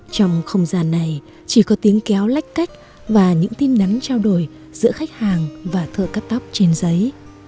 trong không gian này chỉ có tiếng kéo lách cách và những tin nắn trao đổi giữa khách hàng và thợ cắt tóc trên giấy